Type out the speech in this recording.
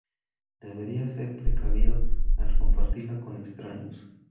Deberías ser precavido al compartirla con extraños".